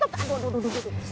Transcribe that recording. aduh aduh aduh aduh